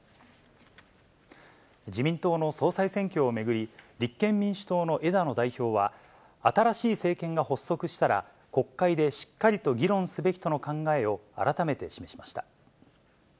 自民党の総裁選挙を巡り、立憲民主党の枝野代表は新しい政権が発足したら、国会でしっかりと議論すべきとの考えを改めて示しました。